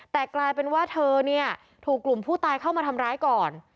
แต่กลายเป็นว่าเธอเนี่ยถูกกลุ่มผู้ตายเข้ามาทำร้ายก่อน